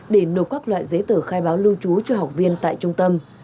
để nộp các loại giấy tờ khai báo lưu trú cho học viên tại trung tâm